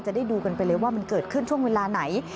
ได้ดูกันไปเลยว่ามันเกิดขึ้นช่วงเวลาไหน